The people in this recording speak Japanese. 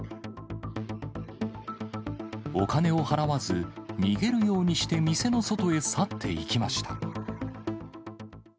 お金を払わず、逃げるようにして店の外へ去っていきました。